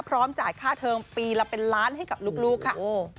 จ่ายค่าเทิมปีละเป็นล้านให้กับลูกค่ะ